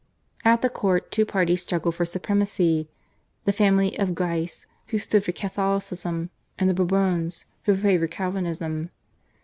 At the court two parties struggled for supremacy, the family of Guise which stood for Catholicism, and the Bourbons who favoured Calvinism.